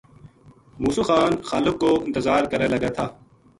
مُوسو خان خالق کو انتظار کرے لگا تھا